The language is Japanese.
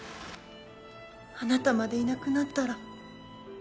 あなたまでいなくなったら。